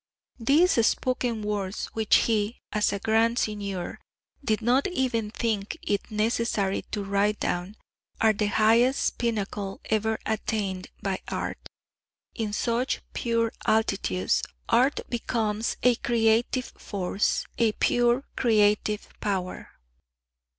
These spoken words which he, as a grand seigneur did not even think it necessary to write down, are the highest pinnacle ever attained by art; in such pure altitudes art becomes a creative force, a pure creative power.